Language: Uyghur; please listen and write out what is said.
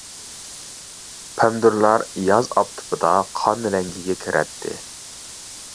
پەمىدۇرلار ياز ئاپتىپىدا قان رەڭگىگە كىرەتتى.